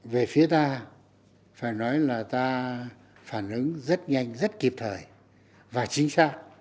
về phía ta phải nói là ta phản ứng rất nhanh rất kịp thời và chính xác